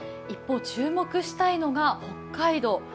一方、注目したいのが北海道。